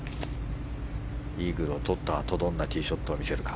イーグルを取ったあとどんなティーを見せるか。